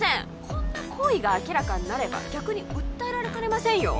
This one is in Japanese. こんな行為が明らかになれば逆に訴えられかねませんよ？